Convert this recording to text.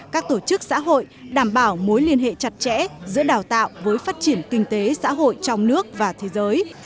các tổ chức xã hội đảm bảo mối liên hệ chặt chẽ giữa đào tạo với phát triển kinh tế xã hội trong nước và thế giới